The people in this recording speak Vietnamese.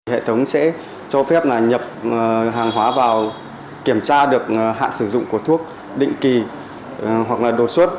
hệ thống sẽ cho phép nhập hàng hóa vào kiểm tra được hạn sử dụng của thuốc định kỳ hoặc là đột xuất